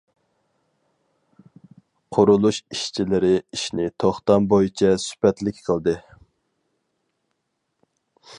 قۇرۇلۇش ئىشچىلىرى ئىشنى توختام بويىچە سۈپەتلىك قىلدى.